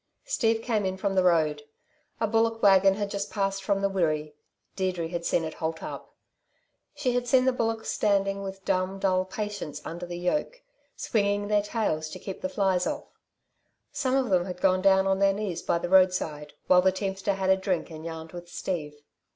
Steve came in from the road. A bullock wagon had just passed from the Wirree. Deirdre had seen it halt up. She had seen the bullocks standing with dumb, dull patience under the yoke, swinging their tails to keep the flies off. Some of them had gone down on their knees by the roadside, while the teamster had a drink and yarned with Steve.